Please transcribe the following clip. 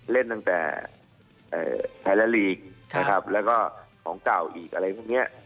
เล่นตั้งแต่ไทยและลีกนะครับแล้วก็ของเก่าอีกอะไรพวกนี้